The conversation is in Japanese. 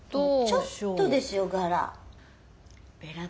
ちょっとですよガラ。